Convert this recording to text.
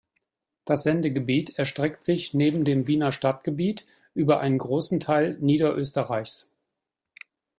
Das Sendegebiet erstreckt sich neben dem Wiener Stadtgebiet über einen großen Teil Niederösterreichs.